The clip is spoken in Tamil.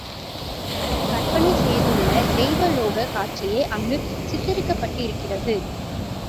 ஜைனர்கள் கற்பனை செய்துள்ள தெய்வ லோகக் காட்சியே அங்கு சித்திரிக்கப்பட்டிருக்கிறது.